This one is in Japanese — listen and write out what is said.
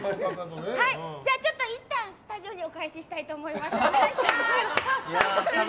じゃあいったんスタジオにお返ししたいと思います！